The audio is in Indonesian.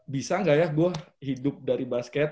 bisa nggak ya gue hidup dari basket